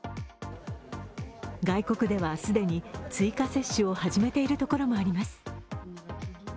外国では既に追加接種を始めているところもあります。